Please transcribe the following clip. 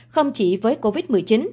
không chỉ với covid một mươi chín